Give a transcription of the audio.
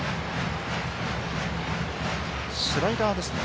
スライダーですね。